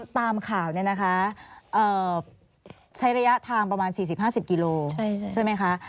ตามข่าวใช้ระยะทางประมาณ๔๐๕๐กิโลเมตรใช่ไหมคะ